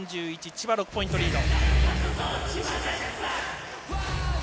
千葉６ポイントリード。